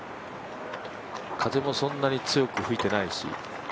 風もそんなに強く吹いていないし。